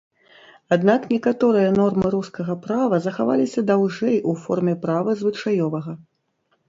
Аднак некаторыя нормы рускага права захаваліся даўжэй у форме права звычаёвага.